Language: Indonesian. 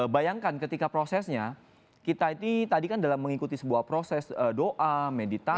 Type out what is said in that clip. bayangkan ketika prosesnya kita itu tadi kan dalam mengikuti sebuah proses doa meditasi